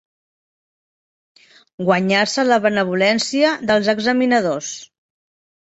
Guanyar-se la benevolència dels examinadors.